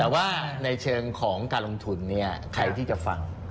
แต่ว่าในเชิงของการลงทุนเนี่ยใครที่จะฟัง